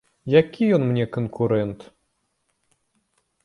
Які ён мне канкурэнт?